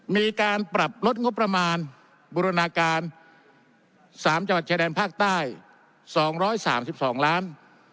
มีการปรับลดงบประมาณบูรณาการ๓จังหวัดชายแดนภาคใต้๒๓๒ล้าน